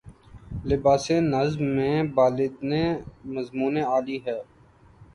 لباسِ نظم میں بالیدنِ مضمونِ عالی ہے